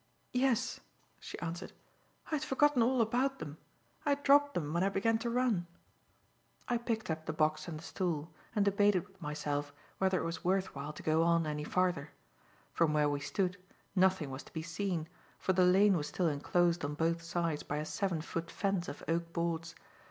"Yes," she answered. "I had forgotten all about them. I dropped them when I began to run." I picked up the box and the stool, and debated with myself whether it was worth while to go on any farther. From where we stood, nothing was to be seen, for the lane was still enclosed on both sides by a seven foot fence of oak boards.